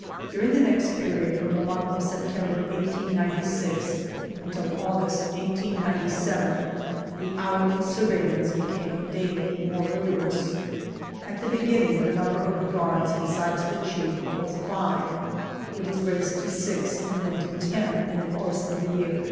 During the next period, from the month of September, 1896, until August, 1897, the hourly surveillance became daily more rigorous. . At the beginning, the number of the guards, besides the chief, was five ; it was raised to six, and then to ten, in the course of the year 1897.